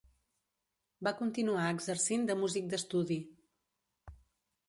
Va continuar exercint de músic d'estudi.